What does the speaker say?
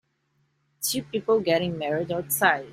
Two people getting married outside.